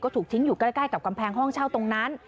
ถูกทิ้งอยู่ใกล้กับกำแพงห้องเช่าตรงนั้น